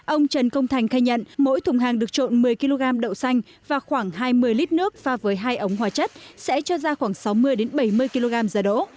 ông trần công thành khai nhận mỗi thùng hàng được trộn một mươi kg đậu xanh và khoảng hai mươi lít nước pha với hai ống hóa chất sẽ cho ra khoảng sáu mươi bảy mươi kg giá đỗ